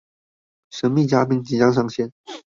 神秘嘉賓即將上線